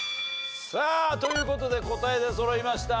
さあという事で答え出そろいました。